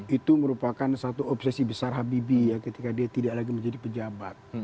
itu merupakan satu obsesi besar habibie ya ketika dia tidak lagi menjadi pejabat